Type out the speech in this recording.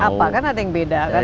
apa kan ada yang beda kan